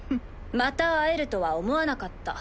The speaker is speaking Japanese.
また会えるとは思わなかった。